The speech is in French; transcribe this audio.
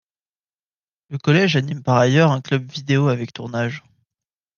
Le collège anime par ailleurs un club vidéo avec tournages.